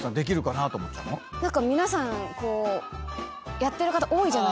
皆さんこうやってる方多いじゃないですか。